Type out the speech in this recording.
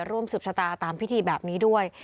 ร่วมสืบชะตาตามพิธีแบบนี้ด้วย